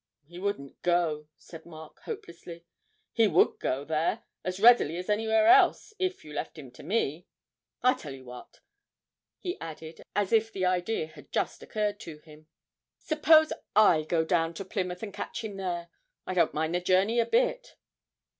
'He wouldn't go,' said Mark hopelessly. 'He would go there as readily as anywhere else, if you left it to me. I tell you what,' he added, as if the idea had just occurred to him, 'suppose I go down to Plymouth and catch him there? I don't mind the journey a bit.'